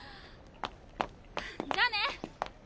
じゃあね！